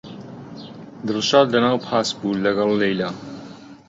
دڵشاد لەناو پاس بوو لەگەڵ لەیلا.